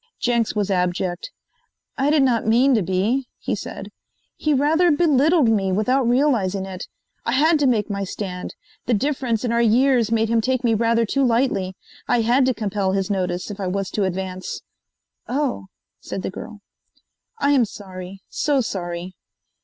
Jenks was abject. "I did not mean to be," he said. "He rather belittled me without realizing it. I had to make my stand. The difference in our years made him take me rather too lightly. I had to compel his notice, if I was to advance." "Oh!" said the girl. "I am sorry so sorry."